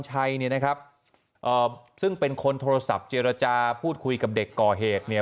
ชัยเนี่ยนะครับเอ่อซึ่งเป็นคนโทรศัพท์เจรจาพูดคุยกับเด็กก่อเหตุเนี่ย